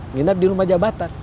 nginap di rumah jabatan